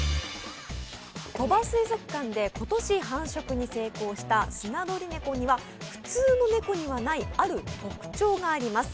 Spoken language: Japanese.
鳥羽水族館で今年繁殖に成功したスナドリネコには、普通のネコにはないある特徴があります。